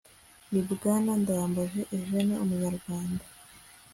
ni bwana Ndayambaje Eugene umunyarwanda